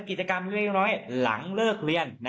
กิจกรรมเล็กน้อยหลังเลิกเรียน